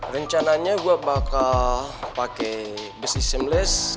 rencananya gue bakal pakai besi seamless